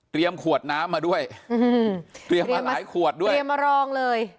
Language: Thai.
ขวดน้ำมาด้วยอืมเตรียมมาหลายขวดด้วยเตรียมมารองเลย